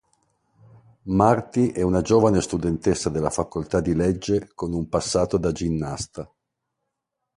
Marti è una giovane studentessa della facoltà di legge con un passato da ginnasta.